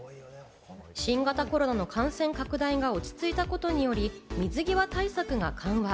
新型コロナの感染拡大が落ち着いたことにより、水際対策が緩和。